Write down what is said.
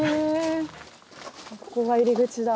ここが入り口だ。